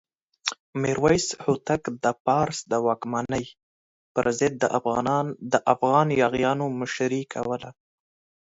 میرویس هوتک د فارس د واکمنۍ پر ضد د افغان یاغیانو مشري کوله.